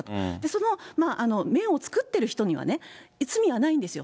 その綿を作っている人には、罪はないんですよ。